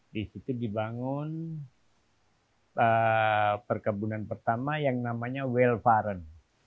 di situ dibangun perkebunan pertama yang namanya welvaeren